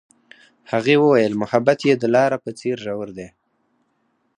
هغې وویل محبت یې د لاره په څېر ژور دی.